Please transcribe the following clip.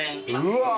うわ！